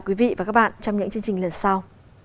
quý vị và các bạn trong những chương trình lần sau